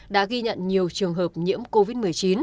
đã ghi nhận nhiều trường hợp nhiễm covid một mươi chín